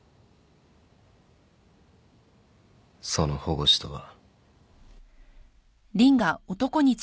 その保護司とは。